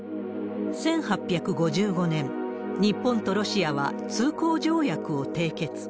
１８５５年、日本とロシアは通好条約を締結。